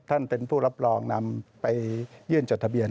ท่านเป็นผู้รับรองนำไปยื่นจดทะเบียน